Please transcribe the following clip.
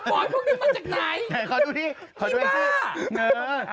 ขอดูดิขอดูแอ็กซี่อีบ้า